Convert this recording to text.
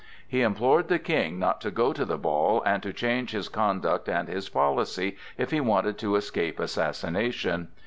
He implored the King not to go to the ball, and to change his conduct and his policy if he wanted to escape assassination.